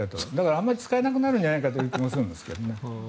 あまり使えなくなるんじゃないかという気もするんですけどね。